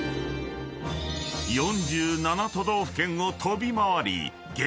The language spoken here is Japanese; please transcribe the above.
［４７都道府県を飛び回り激